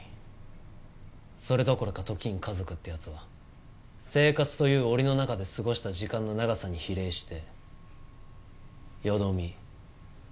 それどころか時に家族ってやつは生活という檻の中で過ごした時間の長さに比例してよどみ腐る。